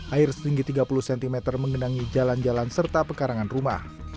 air setinggi tiga puluh cm mengenangi jalan jalan serta pekarangan rumah